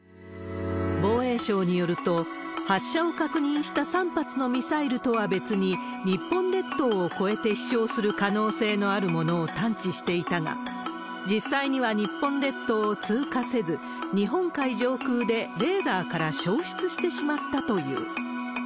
防衛省によると、発射を確認した３発のミサイルとは別に、日本列島を越えて飛しょうする可能性のあるものを探知していたが、実際には日本列島を通過せず、日本海上空でレーダーから消失してしまったという。